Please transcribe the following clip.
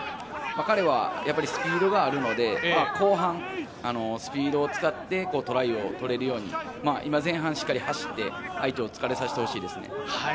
彼はスピードがあるので、後半スピードを使って、トライを取れるように今、前半しっかり走って、相手を疲れさせてほしいですね。